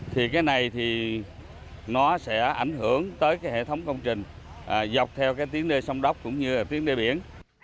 thì cái này thì nó sẽ ảnh hưởng tới hệ thống công trình dọc theo tiếng đê sông đốc cũng như tiếng đê biển